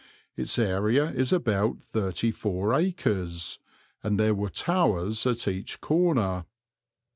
Its area is about thirty four acres, and there were towers at each corner.